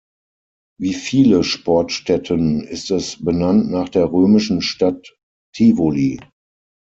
Wie viele Sportstätten ist es benannt nach der römischen Stadt Tivoli.